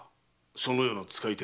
そのようなつかい手が。